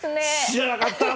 知らなかった！